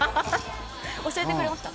教えてくれました？